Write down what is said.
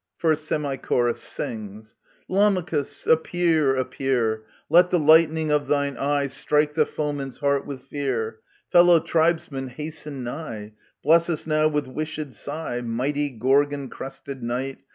15/ Semi Chor. Lamachus ! Appear ! appear ! Let the lightning of thine eye Strike the foeman's heart with fear ! Fellow tribesman, hasten nigh !" Bless us now with wished sight !" Mighty, Gorgon crested knight